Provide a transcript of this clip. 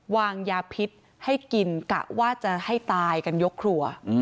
วางยาพิษให้กินกะว่าจะให้ตายกันยกครัว